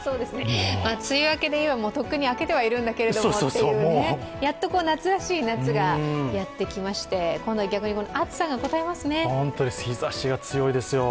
梅雨明けで言えばもうとっくに明けているんですけれどもやっと夏らしい夏がやってきまして、今度は逆に暑さがこたえますね。